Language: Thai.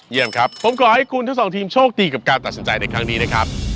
เยี่ยมครับผมขอให้คุณทั้งสองทีมโชคดีกับการตัดสินใจในครั้งนี้นะครับ